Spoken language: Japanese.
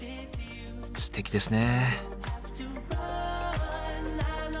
すてきですね。